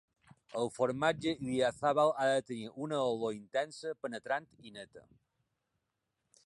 El formatge Idiazabal ha de tenir una olor intensa, penetrant i neta.